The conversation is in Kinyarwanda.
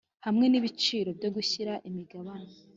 hamwe n’ibiciro byo gushyira imigabane